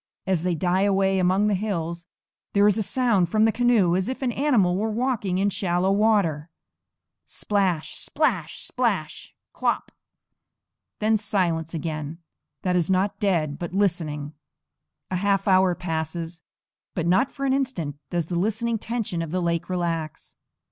As they die away among the hills there is a sound from the canoe as if an animal were walking in shallow water, splash, splash, splash, klop! then silence again, that is not dead, but listening. A half hour passes; but not for an instant does the listening tension of the lake relax.